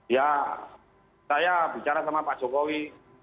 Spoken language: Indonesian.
ya saya bicara sama pak jokowi